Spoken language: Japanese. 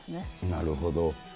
なるほど。